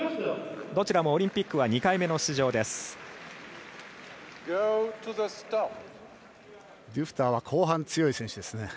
どちらもオリンピックは２回目の出場です。